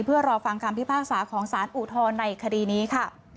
เพื่อรอฟังคำพิพากษาของสารอุทธรณ์ในคดีนี้ค่ะ